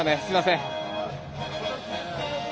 すみません。